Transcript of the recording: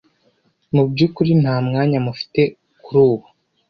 Mu byukuri nta mwanya mufite kuri ubu.